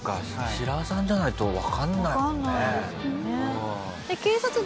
シラワさんじゃないとわかんないもんね。